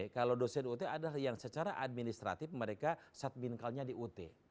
kalau dosen ut adalah yang secara administratif mereka satbinkalnya di ut